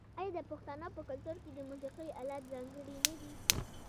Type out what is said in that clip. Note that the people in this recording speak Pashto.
آیا د پښتنو په کلتور کې د موسیقۍ الات ځانګړي نه دي؟